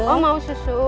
oh mau susu